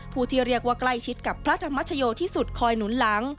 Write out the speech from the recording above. ที่เรียกว่าใกล้ชิดกับพระธรรมชโยที่สุดคอยหนุนหลัง